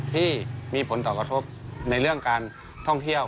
ที่มีผลต่อกระทบในเรื่องการท่องเที่ยว